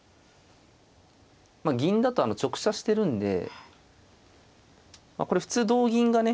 銀だと直射してるんでこれ普通同銀がね